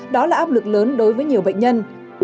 đó là áp lực lớn đối với nhiều bệnh nhân